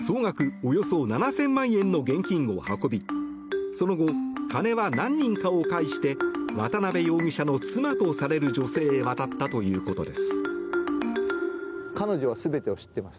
およそ７０００万円の現金を運びその後、金は何人かを介して渡邉容疑者の妻とされる女性へ渡ったということです。